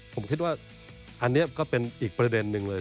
ผมคิดว่าอันนี้ก็เป็นอีกประเด็นนึงเลย